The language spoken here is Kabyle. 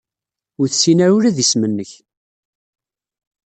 Ur tessin ara ula d isem-nnek.